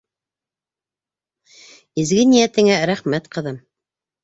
Изге ниәтеңә рәхмәт, ҡыҙым.